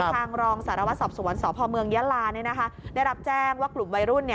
รองสารวัตรสอบสวนสพเมืองยะลาได้รับแจ้งว่ากลุ่มวัยรุ่น